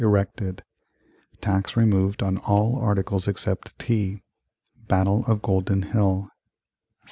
erected Tax removed on all articles except tea Battle of Golden Hill 1771.